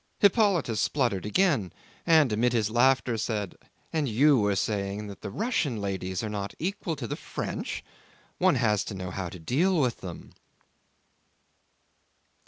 Hippolyte spluttered again, and amid his laughter said, "And you were saying that the Russian ladies are not equal to the French? One has to know how to deal with them."